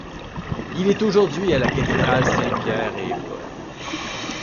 Il est aujourd'hui à la cathédrale Saints-Pierre-et-Paul.